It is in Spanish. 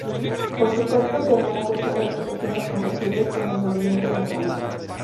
Por supuesto tenían que ser asociaciones compatibles con el Movimiento Nacional.